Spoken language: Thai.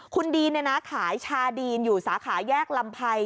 คุณดีนขายชาดีนอยู่สาขาแยกลำไพร